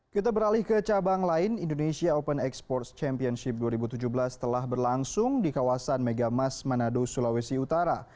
kita beralih ke cabang lain indonesia open exports championship dua ribu tujuh belas telah berlangsung di kawasan megamas manado sulawesi utara